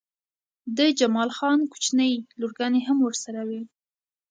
د جمال خان کوچنۍ لورګانې هم ورسره وې